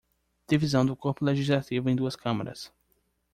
Divisão do corpo legislativo em duas câmaras.